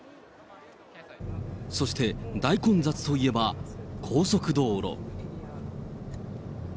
そして、大混雑といえば、高速道路。